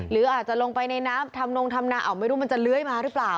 หรืออาจจะลงไปในน้ำทำนงทำนาไม่รู้มันจะเลื้อยมาหรือเปล่า